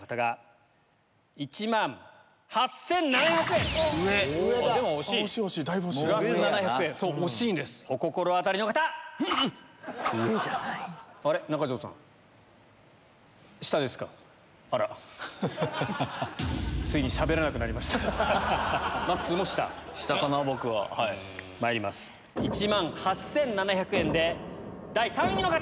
１万８７００円で第３位の方！